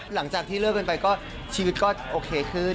หลังจากที่เลิกกันไปก็ชีวิตก็โอเคขึ้น